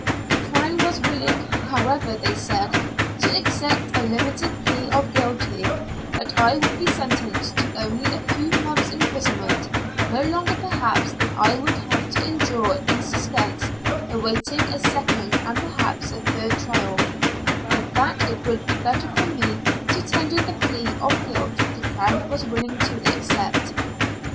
The crown was willing, however, they said, to accept a limited plea of guilt; that I would be sentenced to only a few months' imprisonment, not longer perhaps than I would have to endure in suspense, waiting a second and perhaps a third trial, and that it would be better for me to tender the plea of guilt the crown was willing to accept!